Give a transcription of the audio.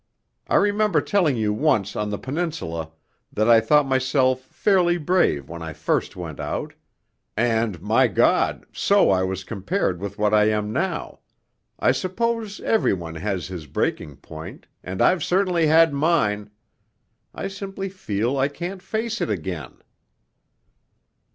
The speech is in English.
I remember telling you once on the Peninsula that I thought myself fairly brave when I first went out ... and, my God, so I was compared with what I am now.... I suppose every one has his breaking point, and I've certainly had mine.... I simply feel I can't face it again.'